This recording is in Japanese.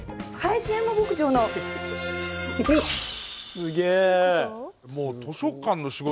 すげえ！